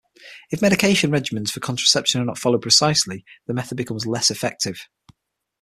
If medication regimens for contraception are not followed precisely, the method becomes less effective.